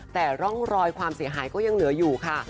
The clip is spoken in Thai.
แต่ร่องรอยความเสียหายก็ยังเหลืออยู่ค่ะ